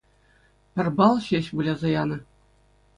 Пӗр балл ҫеҫ выляса янӑ